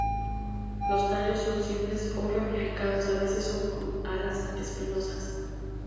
Los tallos son simples o ramificados, a veces con alas espinosas.